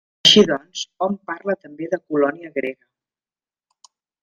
Així doncs, hom parla també de colònia grega.